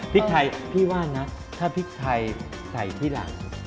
พริกไทยพี่ว่านะถ้าพริกไทยใส่ที่หลัง